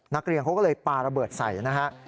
นักเรียนเขาก็เลยปาระเบิดใส่นะฮะ